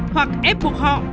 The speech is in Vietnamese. hoặc ép buộc họ